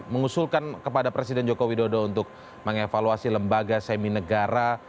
mengusulkan kepada presiden joko widodo untuk mengevaluasi lembaga semi negara